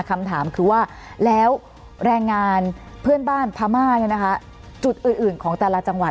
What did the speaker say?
คำถามคือว่าแล้วแรงงานเพื่อนบ้านพม่าเนี่ยนะคะจุดอื่นของแต่ละจังหวัด